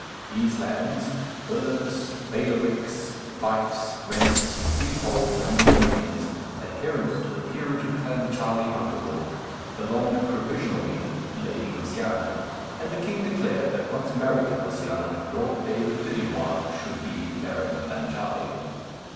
These lands, burghs, bailiwicks, fiefs, rents, freeholds, and domains, adherent to the peerage of Clancharlie Hunkerville, belonged provisionally to Lady Josiana, and the king declared that, once married to Josiana, Lord David Dirry Moir should be Baron Clancharlie.